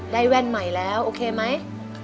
แว่นใหม่แล้วโอเคไหม